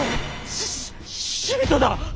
し死人だ！